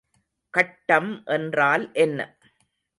கட்டம் என்றால் என்ன?